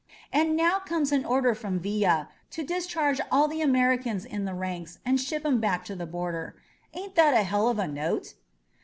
And now comes an order from Villa to discharge all the Americans in the ranks and ship 'em back to the border. Ain't that a hell of a note?"